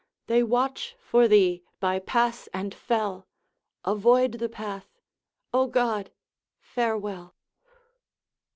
They watch for thee by pass and fell... Avoid the path... O God!... farewell.'